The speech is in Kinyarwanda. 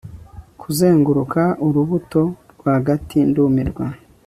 kuzenguruka, urubuto rwagati ndumirwa